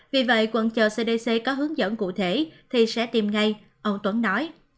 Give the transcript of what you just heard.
vì vậy quận chờ cdc có hướng dẫn cụ thể thì sẽ tìm ngay ông tuấn nói